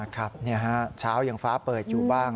ครับเช้ายังฟ้าเปิดอยู่บ้าง